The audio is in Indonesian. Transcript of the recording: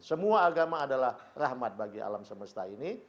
semua agama adalah rahmat bagi alam semesta ini